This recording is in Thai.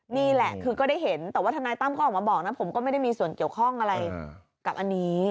นี่แหละคือก็ได้เห็นแต่ว่าทนายตั้มก็ออกมาบอกนะผมก็ไม่ได้มีส่วนเกี่ยวข้องอะไรกับอันนี้